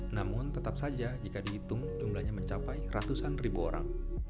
namun tetap saja jika dihitung jumlahnya mencapai ratusan ribuan